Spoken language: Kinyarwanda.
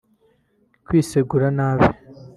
Kwisegura nabi (reiller)